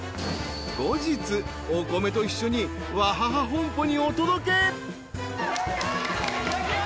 後日お米と一緒にワハハ本舗にお届け］